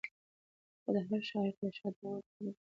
خو د هر شعار تر شا د هغوی خپله ګټه پټه وي.